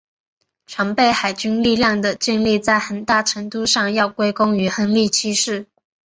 常备海军力量的建立在很大程度上要归功于亨利七世。